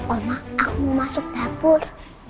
oma aku mau masuk dapur